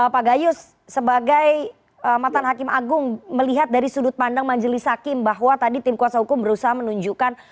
pak gayus sebagai mantan hakim agung melihat dari sudut pandang majelis hakim bahwa tadi tim kuasa hukum berusaha menunjukkan